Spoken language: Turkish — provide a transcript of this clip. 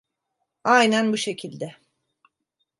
Aynen bu şekilde.